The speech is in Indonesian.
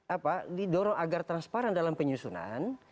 apa didorong agar transparan dalam penyusunan